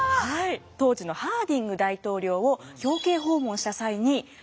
当時のハーディング大統領を表敬訪問した際に取材をされています。